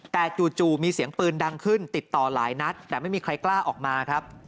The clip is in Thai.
แต่จู่มีเสียงปืนดังขึ้นติดต่อหลายนัดแต่ไม่มีใครกล้าออกมาครับ